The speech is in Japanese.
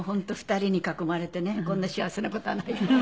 ２人に囲まれてねこんな幸せな事はない。